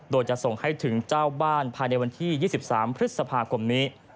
โดยจะส่งให้ถึงเจ้าบ้านภายในวันที่๒๓พฤษภาคมนี้